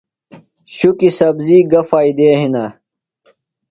شُکیۡ سبزی گہ فائدے ہِنہ؟